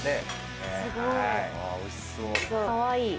すごい。